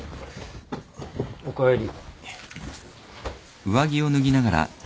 おかえり。